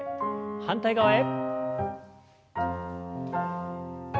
反対側へ。